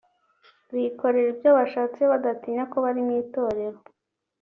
bikorera ibyo ibyo bashatse badatinya ko bari mu Itorero